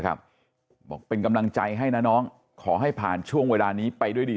บอกเป็นกำลังใจให้นะน้องขอให้ผ่านช่วงเวลานี้ไปด้วยดี